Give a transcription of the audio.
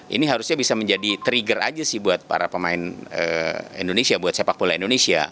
ini harusnya bisa menjadi trigger aja sih buat para pemain indonesia buat sepak bola indonesia